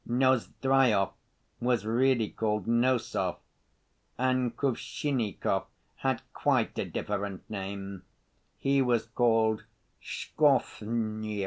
Nozdryov was really called Nosov, and Kuvshinikov had quite a different name, he was called Shkvornev.